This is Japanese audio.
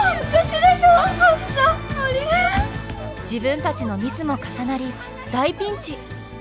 自分たちのミスも重なり大ピンチ！